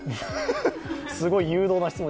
すごい誘導な質問。